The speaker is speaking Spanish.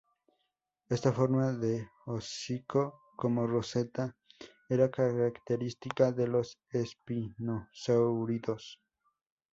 Esta forma de hocico como roseta era característica de los espinosáuridos.